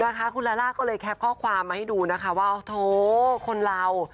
นะคะคุณลาล่าก็เลยแคปข้อความมาให้ดูนะคะว่าโอ้โหคนเรา